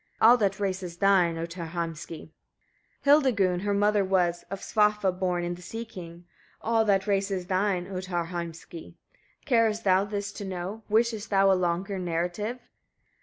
All that race is thine, Ottar Heimski! 18. Hildegun her mother was, of Svafa born and a sea king. All that race is thine, Ottar Heimski! Carest thou this to know? Wishest thou a longer narrative?